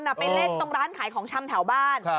ไปเล่นตรงร้านขายของชำแถวบ้าน